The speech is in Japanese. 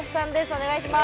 お願いします。